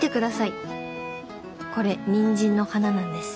これニンジンの花なんです。